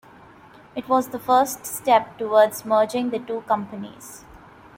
It was the first step towards merging the two companies.